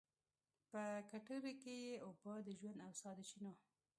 په کټورې کې یې اوبه، د ژوند او سا د چېنو